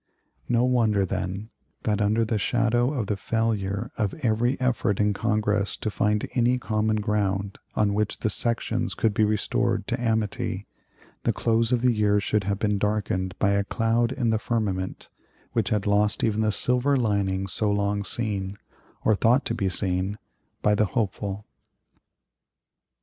No wonder, then, that, under the shadow of the failure of every effort in Congress to find any common ground on which the sections could be restored to amity, the close of the year should have been darkened by a cloud in the firmament, which had lost even the silver lining so long seen, or thought to be seen, by the hopeful.